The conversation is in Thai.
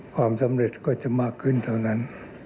ความสำเร็จก็จะมากขึ้นเท่านั้น